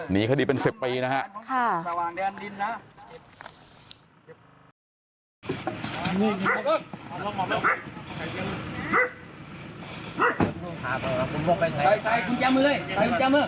นี่คดีเป็น๑๐ปีนะครับ